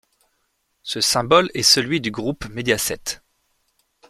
Ce symbole est celui du groupe Mediaset.